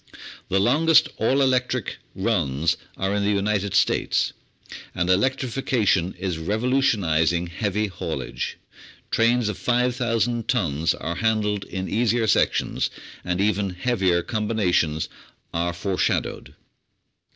The longest "all electric" runs are in the United States, and electrification is revolutionising heavy haul age; trains of 5,000 tons are handled in easier sections, and even heavier combinations are foreshadowed.